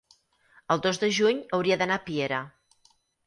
el dos de juny hauria d'anar a Piera.